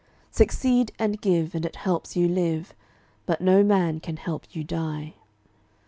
Succeed and give, and it helps you live, But no man can help you die.